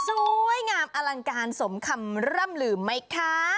สวยงามอลังการสมคำร่ำลืมไหมคะ